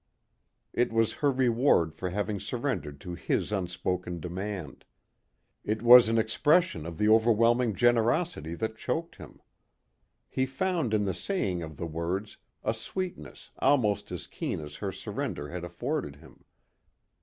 It was her reward for having surrendered to his unspoken demand. It was an expression of the overwhelming generosity that choked him. He found in the saying of the words a sweetness almost as keen as her surrender had afforded him.